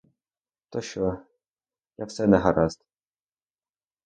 То що, а все негаразд.